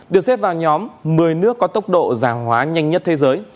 được xếp vào nhóm một mươi nước có tốc độ giàng hóa nhanh nhất thế giới